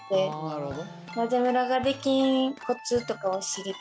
なるほど。